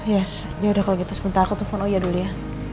yes ya udah kalau gitu sebentar aku telfon oya dulu ya